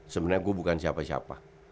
sebenarnya gue bukan siapa siapa